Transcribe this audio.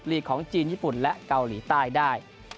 ลีกของจีนญี่ปุ่นและเกาหลีใต้ได้